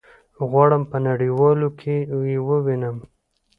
غواړم په نړيوالو کي يي ووينم